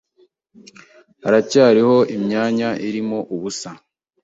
Haracyariho imyanya irimo ubusa?